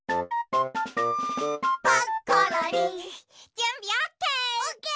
じゅんびオッケー！